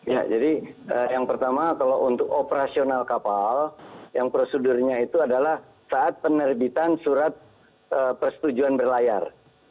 ya jadi yang pertama kalau untuk operasional kapal yang prosedurnya itu adalah saat penerbitan surat persetujuan berlayar